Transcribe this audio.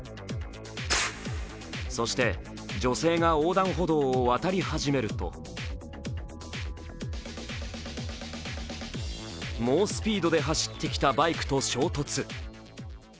そして女性が横断歩道を渡り始めると猛スピードで走ってきたバイクと衝突。